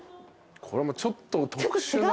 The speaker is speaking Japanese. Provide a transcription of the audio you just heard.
これちょっと特殊な。